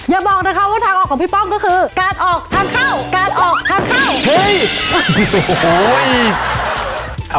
อย่าบอกว่าทางออกของพี่ป้องก็คือกาดออกทางเข้า